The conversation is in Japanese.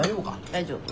大丈夫？